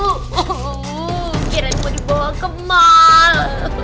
kira kira dibawa ke mall